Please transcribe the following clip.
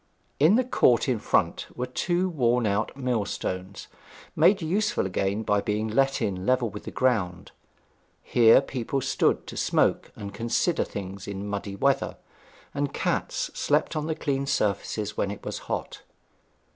In the court in front were two worn out millstones, made useful again by being let in level with the ground. Here people stood to smoke and consider things in muddy weather; and cats slept on the clean surfaces when it was hot.